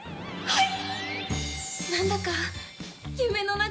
はい！